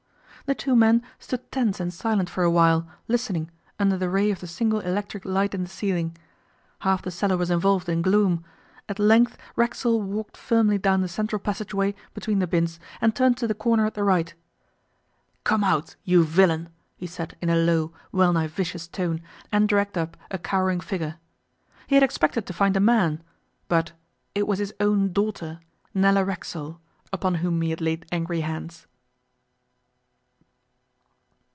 The two men stood tense and silent for a while, listening, under the ray of the single electric light in the ceiling. Half the cellar was involved in gloom. At length Racksole walked firmly down the central passage way between the bins and turned to the corner at the right. 'Come out, you villain!' he said in a low, well nigh vicious tone, and dragged up a cowering figure. He had expected to find a man, but it was his own daughter, Nella Racksole, upon whom he had laid angry hands.